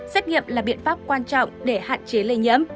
xét nghiệm là biện pháp quan trọng để hạn chế lây nhiễm